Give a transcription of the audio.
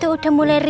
nah dia berhasil